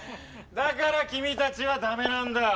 だから君たちはダメなんだ。